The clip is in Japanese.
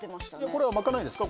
これは巻かないですか？